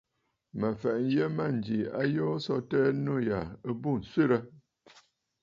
Mə fɛ̀ʼɛ nyə mânjì a yoo so tɛɛ, nû yâ ɨ bû ǹswerə!